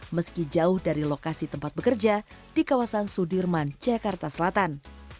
meski jauh dari lokasi tempat bekerja di kawasan sudirman jakarta selatan